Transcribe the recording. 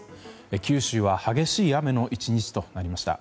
九州は激しい雨の１日となりました。